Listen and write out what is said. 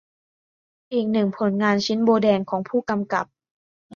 อีกหนึ่งผลงานชิ้นโบแดงของผู้กำกับ